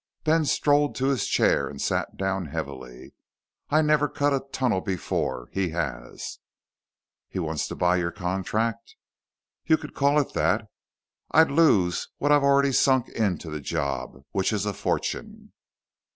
Ben strolled to his chair and sat down heavily. "I never cut a tunnel before. He has." "He wants to buy your contract?" "You could call it that. I'd lose what I've already sunk into the job which is a fortune."